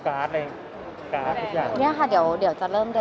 กับสิ่งที่เธอเตรียมมาหมด